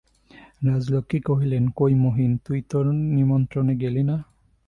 রাজলক্ষ্মী কহিলেন, কই মহিন, তুই তোর নিমন্ত্রণে গেলি না?